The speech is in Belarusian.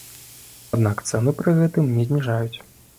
Аднак цэны пры гэтым не зніжаюць.